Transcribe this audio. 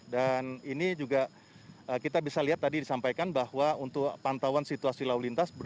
dan ini juga kita bisa lihat tadi disampaikan bahwa untuk pantauan situasi lau lintas